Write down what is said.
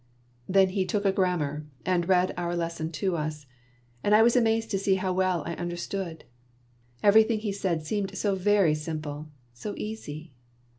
^ Then he took a grammar, and read our lesson to us, and I was amazed to see how well I under stood. Everything he said seemed so very simple, so easy